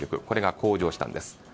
これが向上したんです。